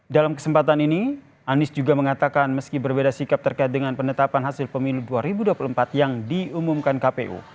dalam kesempatan ini anies juga mengatakan meski berbeda sikap terkait dengan penetapan hasil pemilu dua ribu dua puluh empat yang diumumkan kpu